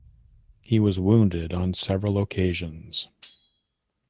He was wounded on several occasions.